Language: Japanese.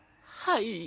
はい。